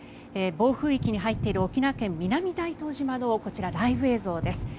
暴風域に入っている沖縄県・南大東島のこちら、ライブ映像です。